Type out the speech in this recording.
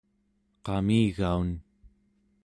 qamigaun